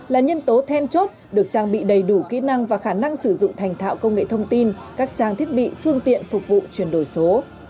là nhân tố then chốt được trang bị đầy đủ kỹ năng và khả năng sử dụng thành thạo công nghệ thông tin các trang thiết bị phương tiện phục vụ chuyển đổi số